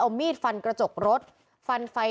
โดนฟันเละเลย